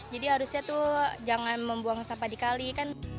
jadi harusnya tuh jangan membuang sampah dikali kan